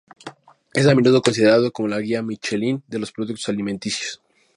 Es a menudo considerado como la "Guía Michelin" de los productos alimenticios.